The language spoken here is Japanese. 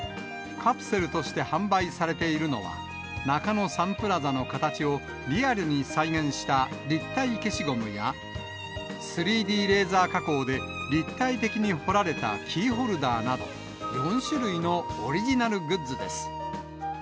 カプセルとして販売されているのは中野サンプラザの形をリアルに再現した立体けしごむや、３Ｄレーザー加工で立体的に彫られたキーホルダーなど、４種類のオリジナルグッズです。